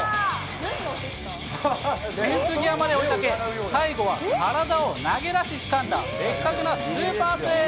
フェンス際まで追いかけ、最後は体を投げ出しつかんだベッカクなスーパープレー。